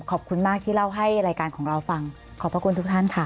ขอบคุณมากที่เล่าให้รายการของเราฟังขอบพระคุณทุกท่านค่ะ